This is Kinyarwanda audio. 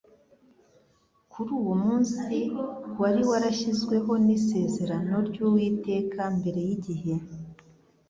«Kuri uwo munsi wari warashyizweho n'isezerano ry'Uwiteka mbere y'igihe